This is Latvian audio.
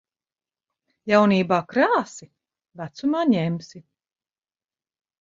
Jaunībā krāsi, vecumā ņemsi.